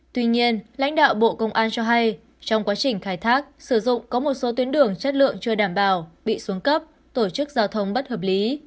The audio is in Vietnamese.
tuy nhiên lãnh đạo bộ công an cho hay trong quá trình khai thác sử dụng có một số tuyến đường chất lượng chưa đảm bảo bị xuống cấp tổ chức giao thông bất hợp lý